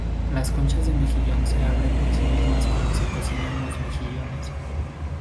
Las conchas de mejillón se abren por sí mismas cuando se cocinan los mejillones.